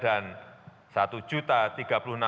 dan suku rencana bintang ana